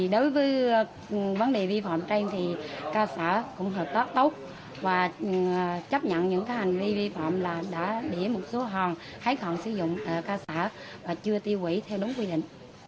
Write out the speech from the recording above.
đối với vấn đề vi phạm trên thì cơ sở cũng hợp tác tốt và chấp nhận những hành vi vi phạm là đã để một số hòn thấy hòn sử dụng ca sở và chưa tiêu quỷ theo đúng quy định